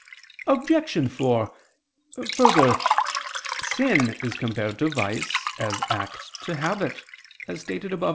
Obj. 4: Further, sin is compared to vice, as act to habit, as stated above (A.